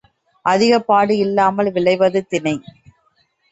அதிகப் பாடு இல்லாமல் விளைவது தினை.